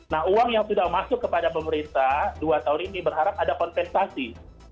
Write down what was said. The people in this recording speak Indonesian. nah uang yang sudah masuk kepada pemerintah dua tahun ini berharap ada kompensasi